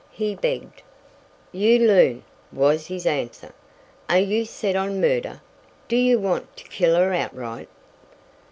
he begged. "You loon," was his answer. "Are you set on murder? Do you want to kill her outright?"